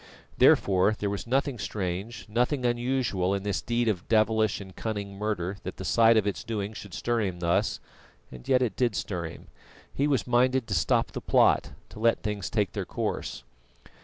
Therefore there was nothing strange, nothing unusual in this deed of devilish and cunning murder that the sight of its doing should stir him thus, and yet it did stir him. He was minded to stop the plot, to let things take their course.